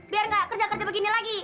biar nggak kerja kerja begini lagi